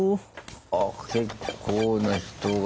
あっ結構な人が。